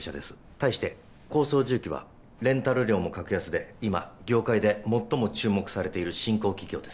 対して鋼双重機はレンタル料も格安で今業界で最も注目されている新興企業です。